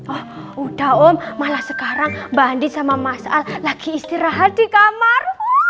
oh udah om malah sekarang mbak andi sama mas al lagi istirahat di kamar